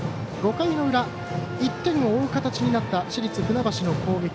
５回の裏、１点を追う形になった市立船橋の攻撃。